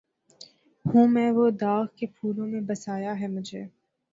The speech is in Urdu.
ہوں میں وہ داغ کہ پھولوں میں بسایا ہے مجھے